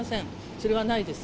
それはないです。